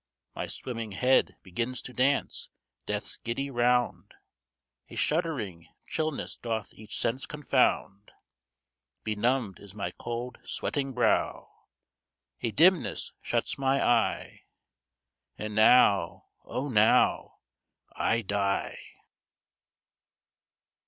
My swimming head begins to dance death's giddy round; A shuddering chillness doth each sense confound; Benumbed is my cold sweating brow A dimness shuts my eye. And now, oh! now, I die!